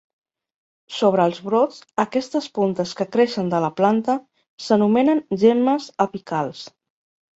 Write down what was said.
Sobre els brots, aquestes puntes que creixen de la planta s'anomenen gemmes "apicals".